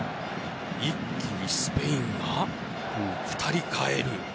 一気にスペインが２人代える。